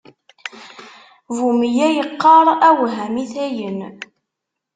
Bu meyya iqqaṛ: awah a mitayen!